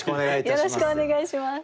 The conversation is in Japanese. よろしくお願いします。